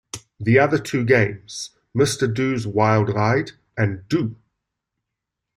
The other two games, Mr. Do's Wild Ride and Do!